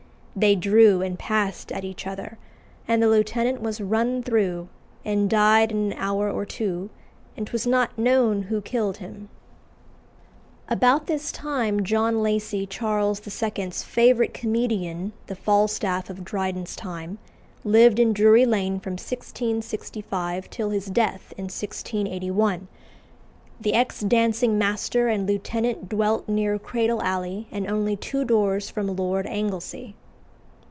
They drew and passed at each other, and the lieutenant was runne through, and died in an hour or two, and 'twas not known who killed him." About this time John Lacy, Charles II.'s favourite comedian, the Falstaff of Dryden's time, lived in Drury Lane from 1665 till his death in 1681. The ex dancing master and lieutenant dwelt near Cradle Alley and only two doors from Lord Anglesey.